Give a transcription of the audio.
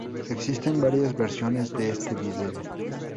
Existen varias versiones de este video.